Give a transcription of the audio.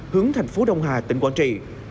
hướng thành phố đông hà tỉnh quảng trị